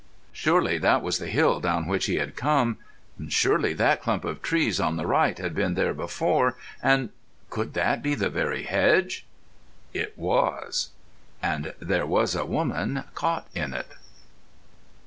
Surely that was the hill down which he had come; surely that clump of trees on the right had been there before. And—could that be the very hedge? It was. And there was a woman caught in it.